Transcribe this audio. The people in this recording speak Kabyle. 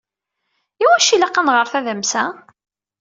Iwacu i ilaq ad nɣer tadamsa?